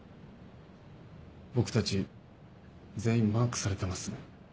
僕たち全員マークされてますね。